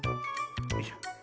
よいしょ。